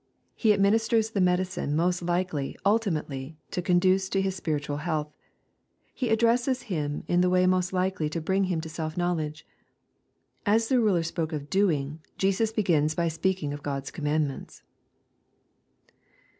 He administers the medicine most likely ultimately to conduce to his spiritual health. He addresses him in the way most likely to bring him to self knowledge. As the ruler spoke of *' doing," Jesus begins by speaking of God's commandments.